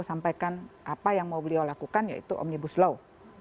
sampaikan apa yang mau beliau lakukan yaitu omnibus law